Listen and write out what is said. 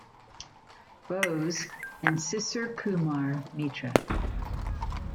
Bose and Sisir Kumar Mitra.